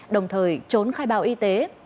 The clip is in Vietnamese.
đồng thời trốn khai bào y tế